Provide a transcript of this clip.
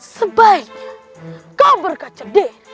sebaiknya kau berkaca de